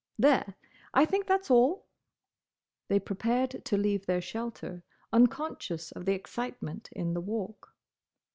"There! I think that's all!" They prepared to leave their shelter, unconscious of the excitement in the Walk.